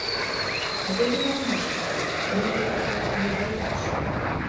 Гэта нармальна, мы гэтага не баімся.